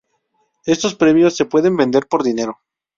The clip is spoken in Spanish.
Estos premios se pueden vender por dinero.